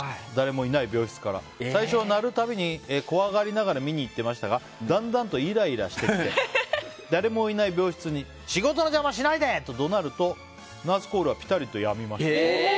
最初は鳴るたびに怖がりながら見に行ってましたがだんだんとイライラして誰もいない病室に仕事の邪魔しないで！と怒鳴ると、ナースコールはぴたりとやみました。